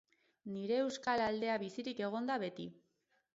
Nire euskal aldea bizirik egon da beti.